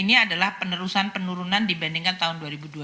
ini adalah penerusan penurunan dibandingkan tahun dua ribu dua puluh